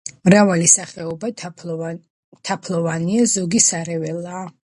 მრავალი სახეობა თაფლოვანია, ზოგი სარეველაა.